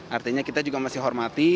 artinya kita juga masih hormati